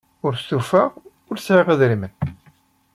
Ur stufaɣ, ur sɛiɣ idrimen.